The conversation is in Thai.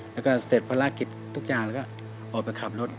แล้วก็เสร็จภารกิจทุกอย่างแล้วก็ออกไปขับรถ